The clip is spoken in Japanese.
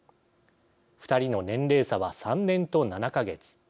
２人の年齢差は３年と７か月。